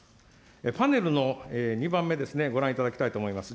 パネルの２番目ですね、ご覧いただきたいと思います。